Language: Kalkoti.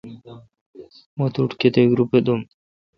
مہ توٹھ کیتیک روپہ دوم۔